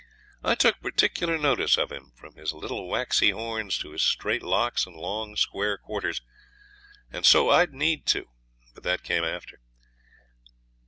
I took particular notice of him, from his little waxy horns to his straight locks and long square quarters. And so I'd need to but that came after.